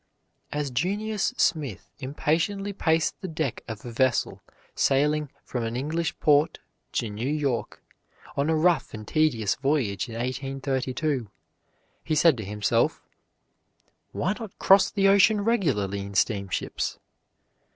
As Junius Smith impatiently paced the deck of a vessel sailing from an English port to New York, on a rough and tedious voyage in 1832, he said to himself, "Why not cross the ocean regularly in steamships?"